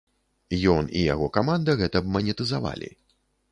Ён і яго каманда гэта б манетызавалі.